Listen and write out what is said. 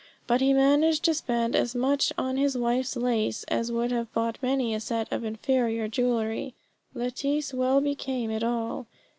But he managed to spend as much on his wife's lace as would have bought many a set of inferior jewellery. Lettice well became it all.